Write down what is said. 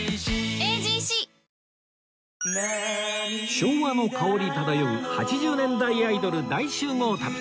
昭和の香り漂う８０年代アイドル大集合旅！